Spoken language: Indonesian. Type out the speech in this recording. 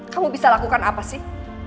kamu bisa lakukan apa sih